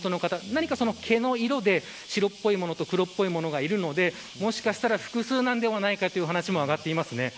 何か、毛の色で白っぽいものと黒っぽいものがいるのでもしかしたら複数なのではないかという話も上がっています。